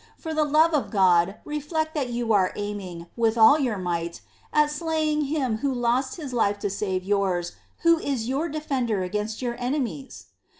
For the love of God, reflect that you are aiming, with all your might, at slaying Him Who lost His life to save yours, Who is your defender against your enemies